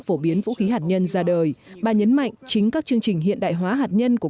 phổ biến vũ khí hạt nhân ra đời bà nhấn mạnh chính các chương trình hiện đại hóa hạt nhân của